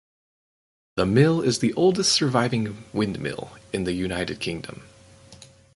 The mill is the oldest surviving windmill in the United Kingdom.